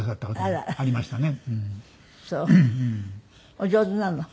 お上手なの？